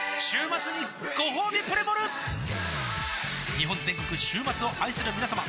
日本全国週末を愛するみなさま